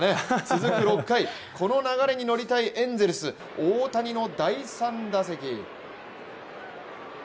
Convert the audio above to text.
続く６回、この流れに乗りたいエンゼルス大谷の第３打席。